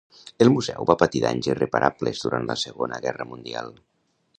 El museu va patir danys irreparables durant la Segona Guerra Mundial.